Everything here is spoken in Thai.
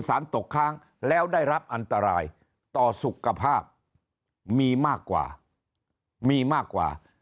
สารตกค้างแล้วได้รับอันตรายต่อสุขภาพมีมากกว่ามีมากกว่า